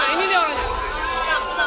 pak ini dia orangnya